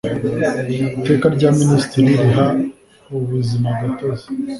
iteka rya minisitiri riha ubuzimagatozi